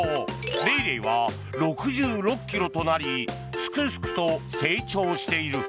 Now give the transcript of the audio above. レイレイは６６ｋｇとなりすくすくと成長している。